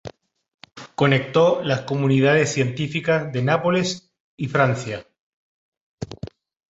Conectó las comunidades científicas de Nápoles y Francia.